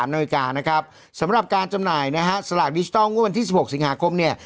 นาฬิกานะครับสำหรับการจำหน่ายนะฮะสลากดิจิทัลงวดวันที่๑๖สิงหาคมเนี่ย